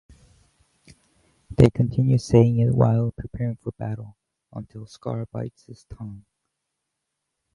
They continue saying it while preparing for battle, until "Scar" bites his tongue.